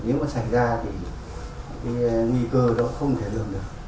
nếu mà xảy ra thì cái nguy cơ đó không thể được được